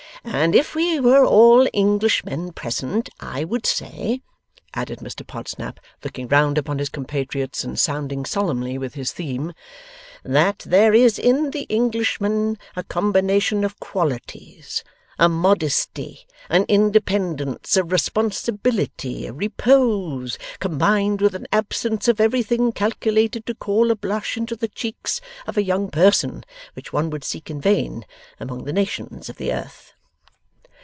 And if we were all Englishmen present, I would say,' added Mr Podsnap, looking round upon his compatriots, and sounding solemnly with his theme, 'that there is in the Englishman a combination of qualities, a modesty, an independence, a responsibility, a repose, combined with an absence of everything calculated to call a blush into the cheek of a young person, which one would seek in vain among the Nations of the Earth.